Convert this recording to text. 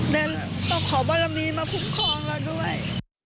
แต่ต้องขอบารมีมาคุ้มครองเราด้วย